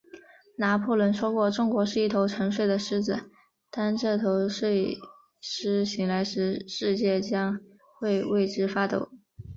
拿破仑说过，中国是一头沉睡的狮子，当这头睡狮醒来时，世界都会为之发抖。